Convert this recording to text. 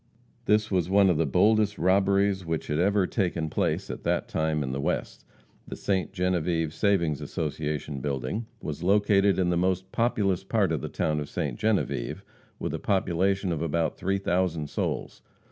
This was one of the boldest robberies which had ever taken place at that time in the West. The "Ste. Genevieve Savings Association" building was situated in the most populous part of the town of Ste. Genevieve, with a population of about three thousand souls.